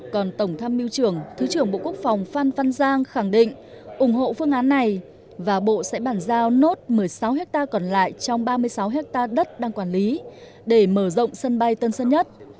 còn tổng tham mưu trưởng thứ trưởng bộ quốc phòng phan văn giang khẳng định ủng hộ phương án này và bộ sẽ bàn giao nốt một mươi sáu hectare còn lại trong ba mươi sáu hectare đất đang quản lý để mở rộng sân bay tân sơn nhất